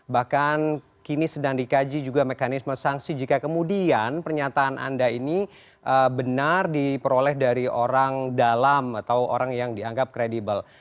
bahkan kini sedang dikaji juga mekanisme sanksi jika kemudian pernyataan anda ini benar diperoleh dari orang dalam atau orang yang dianggap kredibel